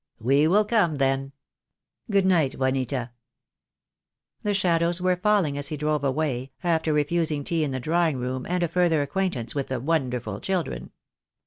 "We will come then. Good night, Juanita." THE DAY WILL COME. 295 The shadows were falling as he drove away, after re fusing tea in the drawing room and a further acquaintance with the wonderful children.